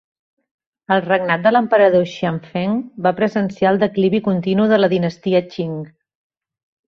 El regnat de l'emperador Xianfeng va presenciar el declivi continu de la dinastia Qing.